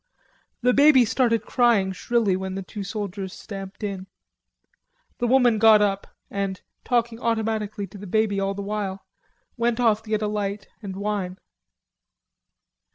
The baby started crying shrilly when the two soldiers stamped in. The woman got up and, talking automatically to the baby all the while, went off to get a light and wine.